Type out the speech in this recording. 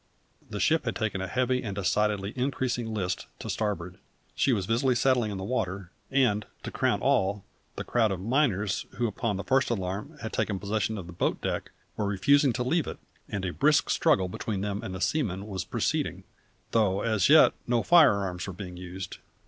The ship had taken a heavy and steadily increasing list to starboard; she was visibly settling in the water; and, to crown all, the crowd of miners who upon the first alarm had taken possession of the boat deck were refusing to leave it, and a brisk struggle between them and the seamen was proceeding, though as yet no firearms were being used.